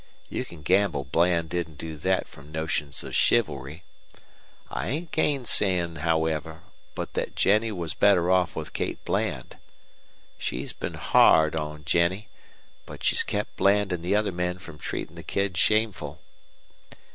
You can gamble Bland didn't do thet from notions of chivalry. I ain't gainsayin, however, but thet Jennie was better off with Kate Bland. She's been hard on Jennie, but she's kept Bland an' the other men from treatin' the kid shameful.